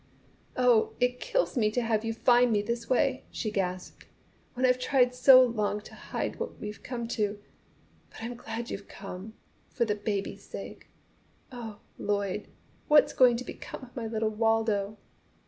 "Oh, it kills me to have you find me this way!" she gasped, "when I've tried so long to hide what we've come to. But I'm glad you've come, for the baby's sake! Oh, Lloyd, what's going to become of my little Wardo!"